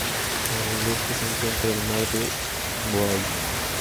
Al este se encuentra el Mar de Bohai.